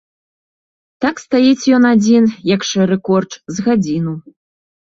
Так стаіць ён адзін, як шэры корч, з гадзіну.